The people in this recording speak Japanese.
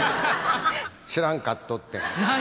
知らんかっとってん。